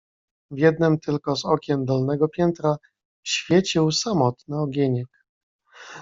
"W jednem tylko z okien dolnego piętra świecił samotny ogieniek."